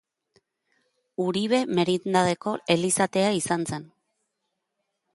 Uribe merindadeko elizatea izan zen.